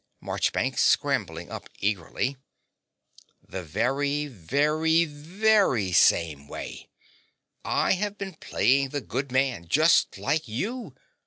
MARCHBANKS (scrambling up eagerly). The very, very, VERY same way. I have been playing the good man just like you.